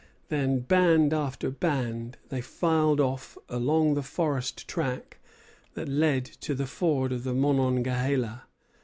Then, band after band, they filed off along the forest track that led to the ford of the Monongahela.